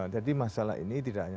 jadi masalah ini tidak hanya